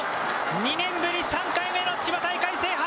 ２年ぶり３回目の千葉大会制覇。